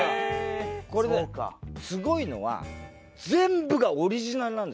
これねすごいのは全部がオリジナルなんですよ